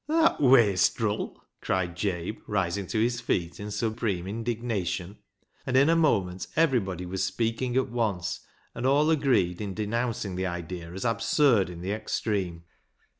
" That wastril !" cried Jabe, rising to his feet in supreme indignation; and in a moment every body was speaking at once, and all agreed in denouncing the idea as absurd in the extreme.